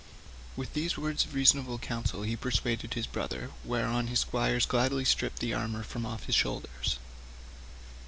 With these words of reasonable counsel he persuaded his brother, whereon his squires gladly stripped the armour from off his shoulders.